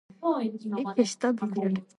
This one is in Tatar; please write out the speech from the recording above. Син карышмасаң, гыйлем карышмый.